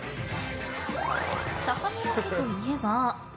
坂村家といえば。